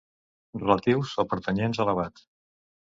Relatius o pertanyents a l'abat.